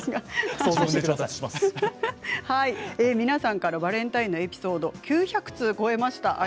皆さんからバレンタインのエピソード９００通を超えました。